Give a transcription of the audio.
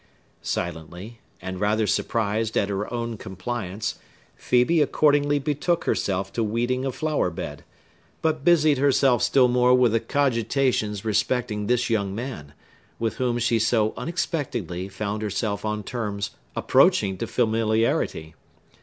Silently, and rather surprised at her own compliance, Phœbe accordingly betook herself to weeding a flower bed, but busied herself still more with cogitations respecting this young man, with whom she so unexpectedly found herself on terms approaching to familiarity.